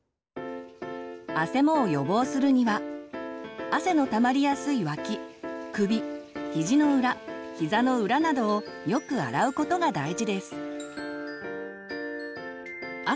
あせもを予防するには汗のたまりやすい脇首ひじの裏ひざの裏などをよく洗うことが大事です。